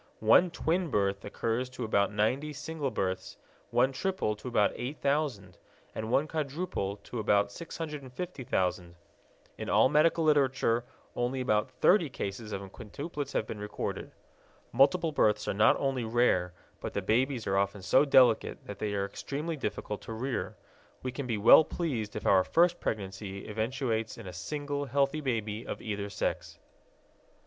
One twin birth occurs to about 90 single births, one triple to about 8000, and one quadruple to about 650,000. In all medical literature only about 30 cases of quintuplets have been recorded. Multiple births are not only rare, but the babies are often so delicate that they are extremely difficult to rear. We can be well pleased if our first pregnancy eventuates in a single healthy baby of either sex.